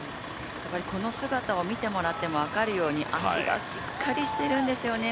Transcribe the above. この姿を見てもらっても分かるように足がしっかりとしているんですよね。